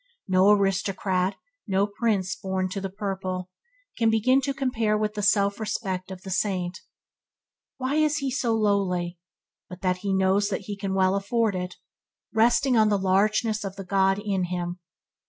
No aristocrat, no prince born to the purple, can begin to compare with the self respect of the saint. Why is he so lowly, but that he knows that he can well afford it, resting on the largeness of God in him?"